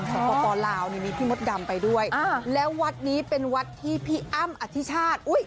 สปลาวนี่มีพี่มดดำไปด้วยแล้ววัดนี้เป็นวัดที่พี่อ้ำอธิชาติ